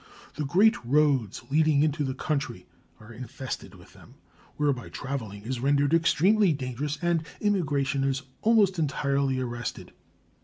The great roads leading into the country are infested with them, whereby traveling is rendered extremely dangerous and immigration is almost entirely arrested.